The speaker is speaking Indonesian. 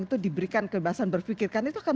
itu diberikan kebebasan berpikir kan itu akan